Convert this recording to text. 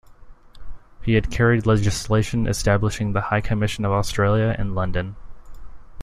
He had carried legislation establishing the High Commission of Australia in London.